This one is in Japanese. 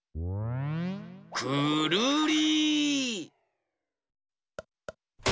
くるり！